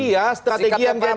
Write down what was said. iya strategi yang genuin